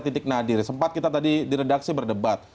titik nadir sempat kita tadi di redaksi berdebat